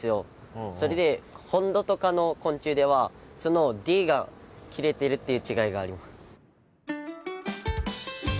それで本土とかの昆虫ではそのＤが切れてるっていう違いがあります。